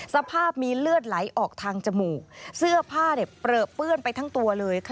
สภาพมีเลือดไหลออกทางจมูกเสื้อผ้าเปลือเปื้อนไปทั้งตัวเลย